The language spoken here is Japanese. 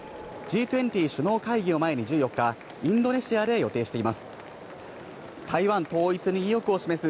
Ｇ２０首脳会議を前に１４日、インドネシアで予定しています。